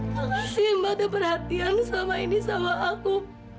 makasih mbak ada perhatian sama ini sama aku